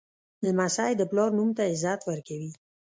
لمسی د پلار نوم ته عزت ورکوي.